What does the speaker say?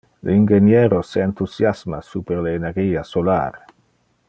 Le ingenieros se enthusiasma super le energia solar.